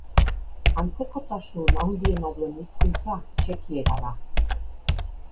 Antzekotasun handiena duen hizkuntza txekiera da.